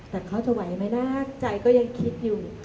แต่เขาจะไหวไหมนะใจก็ยังคิดอยู่